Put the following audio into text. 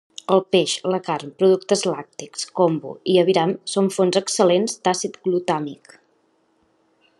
El peix, la carn, productes làctics, kombu i aviram són fonts excel·lents d'àcid glutàmic.